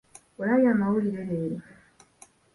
Olabye amawulire leero?